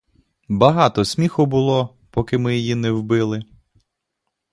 Багато сміху було, поки ми її не вбили.